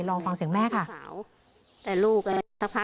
ลองฟังเสียงแม่ค่ะ